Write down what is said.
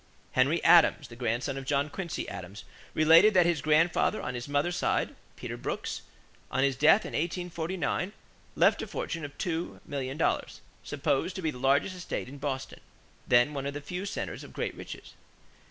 Henry Adams, the grandson of John Quincy Adams, related that his grandfather on his mother's side, Peter Brooks, on his death in 1849, left a fortune of two million dollars, "supposed to be the largest estate in Boston," then one of the few centers of great riches.